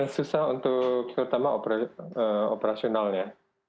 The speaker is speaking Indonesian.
susah untuk terutama operasionalnya